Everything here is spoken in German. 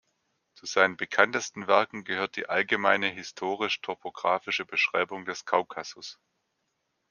Zu seinen bekanntesten Werken gehört die "Allgemeine historisch-topographische Beschreibung des Kaukasus".